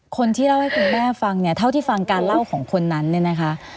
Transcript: คนที่เล่าให้คุณแม่ฟังเนี่ยเท่าที่ฟังการเล่าของคนนั้นเนี่ยนะคะ